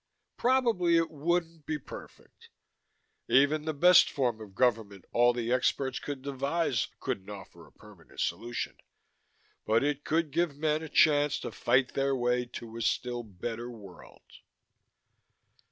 Probably it wouldn't be perfect. Even the best form of government all the experts could devise couldn't offer a permanent solution. But it could give men a chance to fight their way to a still better world.